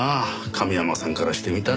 亀山さんからしてみたら。